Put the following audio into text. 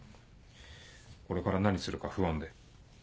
これから何するか不安で。